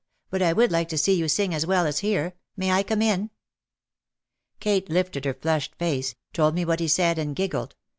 "But I would like to see you sing as well as hear. May I come in?" Kate lifted her flushed face, told me what he said, and giggled.